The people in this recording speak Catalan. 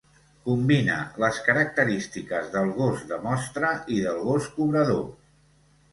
Combina les característiques del gos de mostra i del gos cobrador.